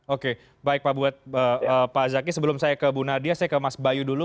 oke baik pak buat pak zaky sebelum saya ke bu nadia saya ke mas bayu dulu